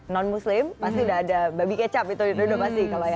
non muslim pasti sudah ada babi kecap itu sudah pasti